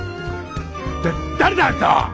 だ誰だあんたは！